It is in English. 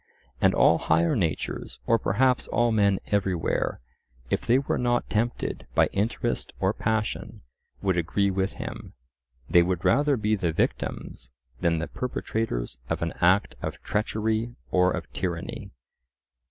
And all higher natures, or perhaps all men everywhere, if they were not tempted by interest or passion, would agree with him—they would rather be the victims than the perpetrators of an act of treachery or of tyranny.